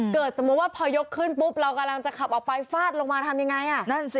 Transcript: สมมุติว่าพอยกขึ้นปุ๊บเรากำลังจะขับออกไปฟาดลงมาทำยังไงอ่ะนั่นสิ